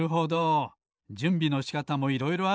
じゅんびのしかたもいろいろあるんですね。